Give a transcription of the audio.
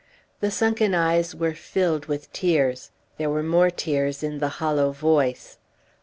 The sunken eyes were filled with tears. There were more tears in the hollow voice.